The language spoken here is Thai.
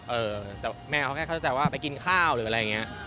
เออแต่แม่เขาแค่เข้าใจว่าไปกินข้าวหรืออะไรอย่างนี้